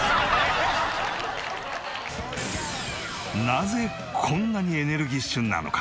なぜこんなにエネルギッシュなのか？